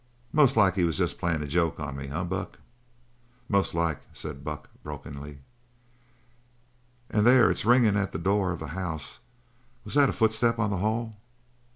Most like he was jest playin' a joke on me, eh, Buck?" "Most like," said Buck, brokenly. "Ay, there it's ringin' at the door of the house! Was that a footstep on the hall?"